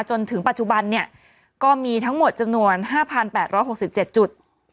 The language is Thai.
จนถึงปัจจุบันเนี่ยก็มีทั้งหมดจำนวน๕๘๖๗จุด